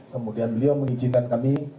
kemudian beliau mengizinkan kami